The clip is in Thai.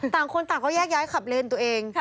ต่างคนต่างเขาแยกขับเลนตัวเอง